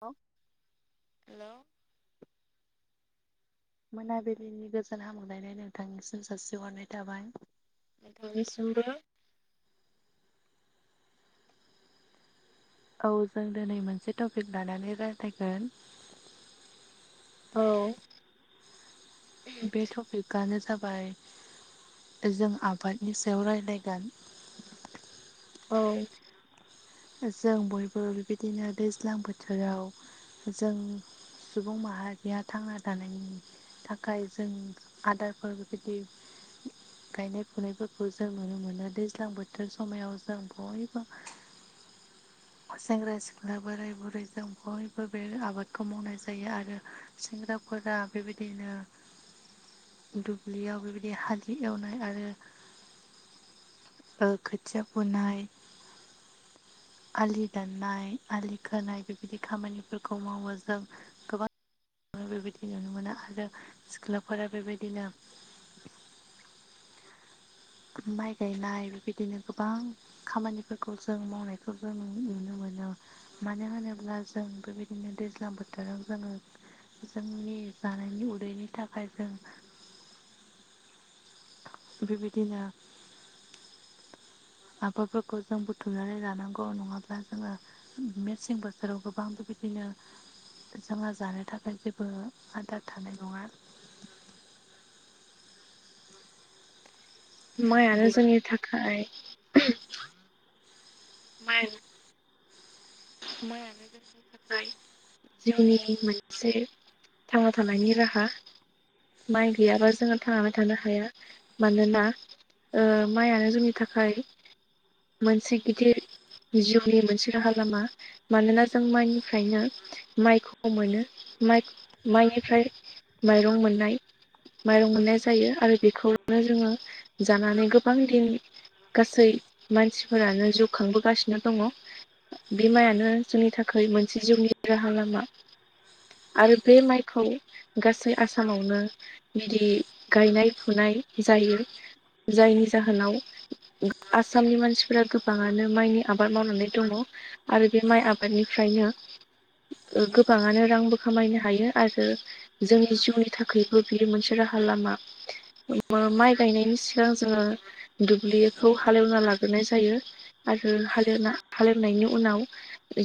औ। हेल' मोनाबिलिनि गोजोन हामब्लायनाय नोंथांनिसिम जासि हरनाय थाबाय। नोंथांनिसिमबो। औ जों दिनै मोनसे टपिक लानानै रायज्लायगोन। औ बे टपिकआनो जाबाय जों आबादनि सायाव रायज्लायगोन। औ। जों बयबो बेबायदिनो दैज्लां बोथोराव जों सुबुं माहारिया थांना थानायनि थाखाय जों आदारफोर बेबायदि गायनाय फुनायफोरखौ जों नुनो मोनो दैज्लां बोथोर समायाव जों बयबो सेंग्रा सिख्ला बोराय बुरै जों बयबो बे आबादखौ मावनाय जायो आरो सेंग्राफोरा बेबायदिनो [inaudible] दुब्लियाव बेबायदि हालि एवनाय आरो ओ खोथिया फोनाय आलि दाननाय आलि खोनाय बेबायदि खामानिफोरखौ मावो जों ओ बेबायदि नुनो मोना आरो सिख्लाफोरा बेबायदिनो माइ गायनाय बेबायदिनो गोबां खामानिफोरखौ जों मावनायफोरबो जों नु-नुनो मोनो। मानो होनोब्ला जों बेबायदिनो दैज्लां बोथोराव जोङो जोंनि जानायनि उदैनि थाखाय जों बेबायदिनो आबादफोरखौ जों बुथुमनानै लानांगौ नङाब्ला जोङो मेसें बोथोराव गोबांबो बिबायदिनो जोंहा जानो थाखाय जेबो आदार थानाय नङा। माइआनो बेखौ जोंनि थाखाय [unintelligible] माइ माइयानो जोंनि थाखाय जिउनि मोनसे थांना थानायनि राहा। माइ गैयाबा जोङो थांनानै थानो हाया मानोना ओ माइआनो जोंनि थाखाय मोनसे गिदिर जिउनि मोनसे राहा लामा। मानोना जों माइनिफ्रायनो माइखौ मोनो माइ माइनिफ्राय माइरं मोननाय माइरं मोननाय जायो आरो बेखौनो जोङो जानानै गोबां दिन गासै मानसिफोरानो जिउ खांबोगासिनो दङ। बे माइयानो जोंनि थाखाय मोनसे जिउनि राहा लामा आरो बे माइखौ गासै आसामावनो बिदि गायनाय फुनाय जायो जायनि जाहोनाव [unintelligible] आसामनि मानसिफोरा गोबाङानो माइनि आबाद मावनानै दङ। आरो बे माइ आबादनिफ्रायनो ओ गोबाङानो रांबो खामायनो हायो आरो जोंनि जिउनि थाखायबो बेयो मोनसे राहा लामा। मा-माइ गायनायनि सिगां जोङो दुब्लिखौ हालेवना लाग्रोनाय जायो। आरो हालेवना हालेवनायनि उनाव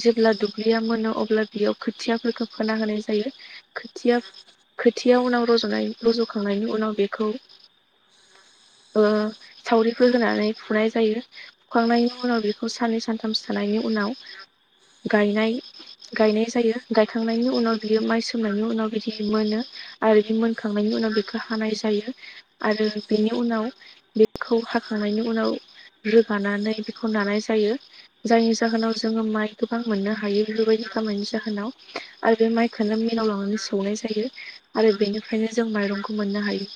जेब्ला दुब्लिया मोनो अब्ला बियाव खोथियाफोरखौ फोना होनाय जायो। खोथिया खोथिया उनाव रजनाय रज'खांनायनि उनाव बेखौ ओ सावरिफोर होनानै फुनाय जायो। फुखांनायनि उनाव बेखौ साननै सानथामसो थानायनि उनाव गायनाय गायनाय जायो गायखांनायनि उनाव बियो माइ सोमनायनि उनाव बिदि मोनो। आरो बे मोनखांनायनि उनाव बेखो हानाय जायो। आरो बेनि उनाव बेखौ हाखांनायनि उनाव रोगानानै बेखौ नानाय जायो जायनि जाहोनाव जोङो माइ गोबां मोननो हायो बेफोरबायदि खामनायनि जाहोनाव आरो बे माइ खोनो मिलाव लांनानै सौनाय जायो आरो बेनिफ्रायनो जों माइरंखौ मोननो हायो।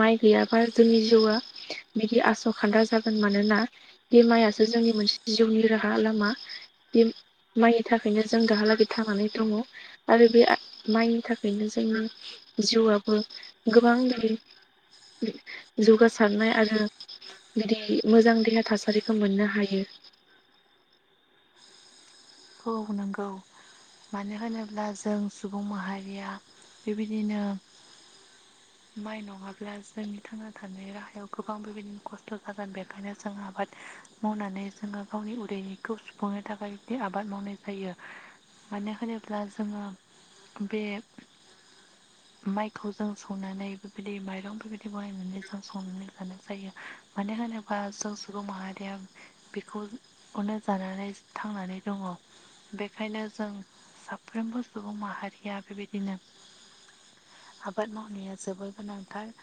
माइ गैयाबा जोंनि जिउआ बिदि आस' खान्दा जागोन मानोना बे माइयासो जोंनि मोनसे जिउनि राहा लामा। बे माइनि थाखायनो जों दाहालागै थांनानै दङ। आरो बे माइनि थाखायनो जोंनि जिउआबो गोबां दि जौगासारनाय आरो बिदि मोजां देहा थासारिखो मोननो हायो। औ नंगौ। मानो होनोब्ला जों सुबुं माहारिया बेबायदिनो [inaudible] माइ नङाब्ला जोंनि थांना थानाय राहायाव गोबां बेबायदिनो खस्थ' जागोन बेखायनो जों आबाद मावनानै जोङो गावनि उदैनिखौ सुफुंनो थाखाय दि आबाद आबाद मावनाय जायो मानो होनोब्ला जोङो बे [inaudible] माइखौ जों संनानै बेबायदि माइरं बेबायदि बाहायनानै जों संनानै जानाय जायो। मानो होनोबा जों सुबुं माहारिया बेखौ-खौनो जानानै थांनानै दङ बेखायनो जों साफ्रोमबो सुबुं माहारिया बेबायदिनो आबाद मावनाया जोबोद गोनांथार।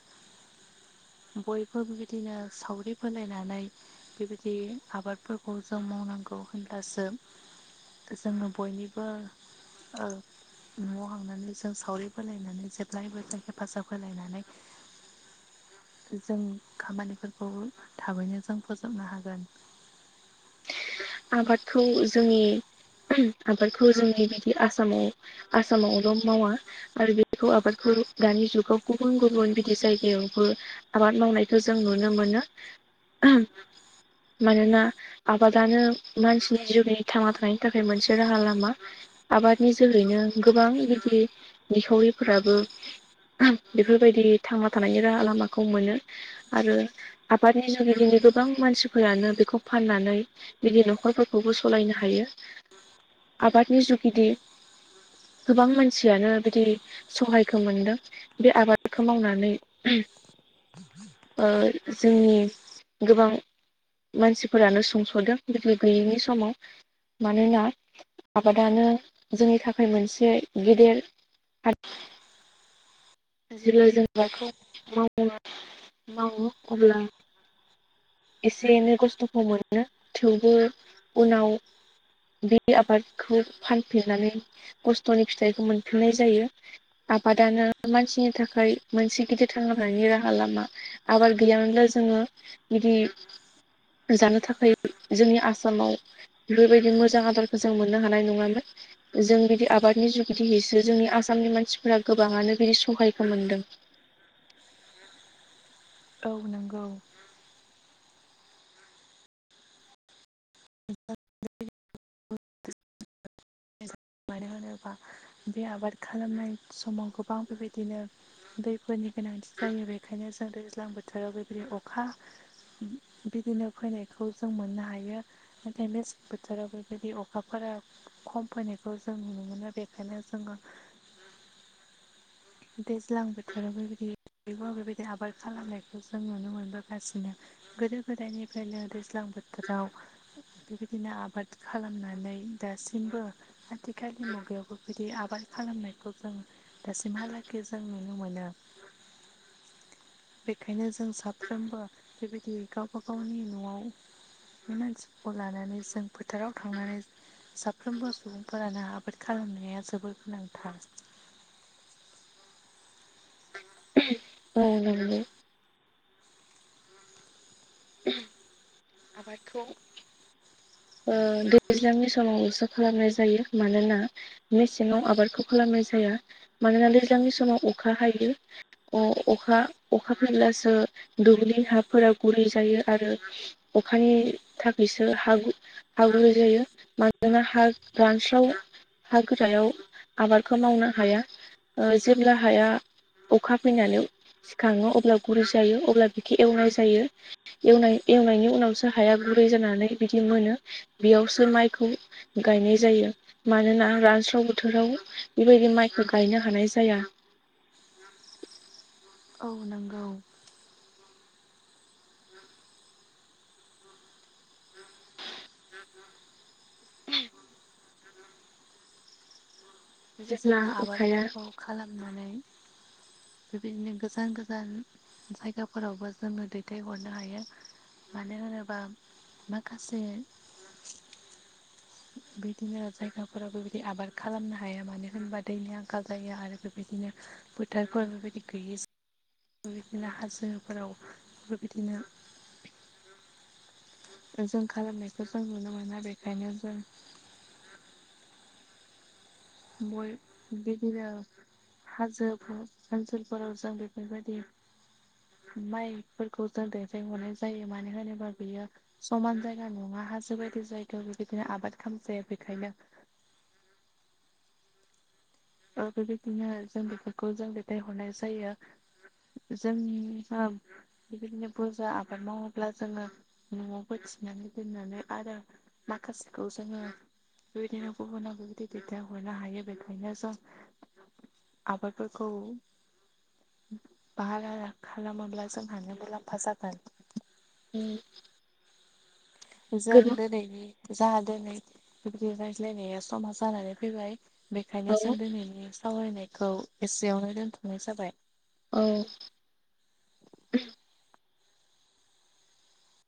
बयबो बिदिनो सावरि बोलायनानै बेबायदि आबादफोरखौ जों मावनांगौ होनब्लासो जोङो बयनिबो ओ न'आव थांनानै जों सावरि बोलायनानै जेब्लायबो जों हेफाजाब होलायनानै जों खामानिफोरखौ थाबैनो जों फोजोबनो हागोन। आबादखौ जोंनि आबादखौ जोंनि बिदि आसामाव आसामावल' मावा आरो बेखौ आबादखौ दानि जुगाव गुबुन गुबुन बिदि जायगायावबो आबाद मावनायखो जों नुनो मोनो। मानोना आबादानो मानसिनि जिउनि थांना थानायनि थाखाय मोनसे राहा लामा। आबादनि जोहैनो गोबां गिदिर निखावरिफोराबो बेफोरबायदि थांना थानायनि राहा लामाखौ मोनो। आरो आबादनि जुगिदिनो गोबां मानसिफोरानो बेखौ फाननानै बिनि न'खरफोरखौबो सलायनो हायो आबादनि जुगिदि गोबां मानसियानो बिदि सहायखो मोनदों। बे आबादखौ मावनानै [inaudible] ओ जोंनि गोबां मानसिफोरानो सुंस'दों। [unintelligible] गैयैनि समाव मानोना आबादानो जोंनि थाखाय मोनसे गेदेर जेब्ला [unintelligible] मावो अब्ला एसे एनै खस्थ'खौ मोनो थेवबो उनाव बे आबादखौ फानफिननानै खस्थ'नि फिथाइखौ मोनफिननाय जायो। आबादानो मानसिनि थाखाय मोनसे गिदिर थांना थानायनि राहा लामा आबाद गैयामोनब्ला जोङो बिदि जानो थाखाय जोंनि आसामाव बेफोरबायदि मोजां आदारखौ जों मोननो हानाय नङामोन। जों बिदि आबादनि जुगिदिहैसो जोंनि आसामनि मानसिफोरा गोबाङानो बिदि सहायखौ मोनदों। औ नंगौ। मानो होनोबा बे आबाद खालामनाय समाव गोबां बेबायदिनो दैफोरनि गोनांथि जायो बेखायनो जों दैज्लां बोथोराव बेबायदि अखा बिदिनो फैनायखौ जों मोननो हायो। नाथाय मेसें बोथोराव बेबायदि अखाफोरा खम फैनाय। खौ जों नुनो मोनो बेखायनो जोङो। दैज्लां बोथोराव बेबायदि [unintelligible] बेबायदि आबाद खालामनायखौ जों नुनो मोनबोगासिनो। गोदो गोदायनिफ्रायनो दैज्लां बोथोराव बेबायदिनो आबाद खालामनानै दासिमबो आथि आथिखालनि मुगायावबो बिदि आबाद खालामनायखौ जों हालागै जों नुनो मोनो। बेखायनो जों साफ्रोमबो बेबायदि गावबा गावनि न'आव बे मानसिखौ लानानै जों फोथाराव थांनानै साफ्रोमबो सुबुंफोरानो आबाद खालामनाया जोबोर गोनांथार ओ नोंगौ। आबादखौ ओ दैज्लांनि समावसो खालामनाय जायो मानोना मेसेङाव आबादखौ खालामनाय जाया मानोना दैज्लांनि समाव अखा हायो। ओ अखा अखा फैब्लासो दुब्लि हाफोरा गुरै जायो आरो अखानि थाखायसो हा गु हा गुरै जायो मानोना हा रानस्राव हा गोरायाव आबादखौ मावनो हाया। जेब्ला हाया अखा फैनानै सिखाङो अब्ला गुरै जायो अब्ला बेखौ एवनाय जायो। एवनाय एवनायनि उनावसो हाया गुरै जानानै बिदि मोनो बेयावसो माइखौ गायनाय जायो। मानोना रानस्राव बोथोराव बेबायदि माइखौ गायनो हानाय जाया। औ नंगौ। जेब्ला जोङो अखाया आबादफोरखौ खालामनानै बेबायदिनो गोजान गोजान जायगाफोरावबो जोङो दैथायहरनो हायो। मानो होनोबा माखासे बिदिनो जायगाफोराव बेबायदि आबाद खालामनो हाया मानो होनबा दैनि आंखाल जायो आरो बेबायदिनो फोथारफोर बेबायदि गैयै [unintelligible] हाजोफोराव बो बिदिनो जों खालामनायखौ जों नुनो मोना बेखायनो जों बय बेदिनो हाजो ओनसोलफोराव जों बेफोरबायदि माइफोरखौ जों दैथायहरनाय जायो मानो होनोबा बेयो समान जायगा नङा हाजो बायदि जायगायाव बेबायदिनो आबाद खालामजाया बेखायनो ओ बेबायदिनो जों बेफोरखौ जों दैथायहरनाय जायो। जोंनि [unintelligible] बेबायदिनो बुरजा आबाद मावोब्ला जोङो न'आवबो थिनानै दोननानै आरो माखासेखौ जोङो बेबायदिनो गुबुनाव बेबायदि दैथायहरनो हायो बेखायनो जों आबादफोरखौ बारा खालामोब्ला जोंहानो मुलाम्फा जागोन। उम। जों दिनैनि जाहा दिनै बिबायदि रायज्लायनाया समा जानानै फैबाय बेखायनो औ जों दिनैनि सावरायनायखौ एसेयावनो दोनथ'नाय जाबाय। औ।